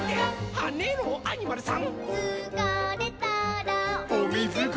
はねろアニマルさん！」